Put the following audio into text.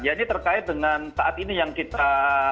ya ini terkait dengan saat ini yang kita